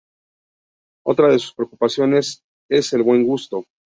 Otra de sus preocupaciones es el buen gusto.